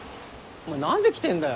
何で来てんだよ。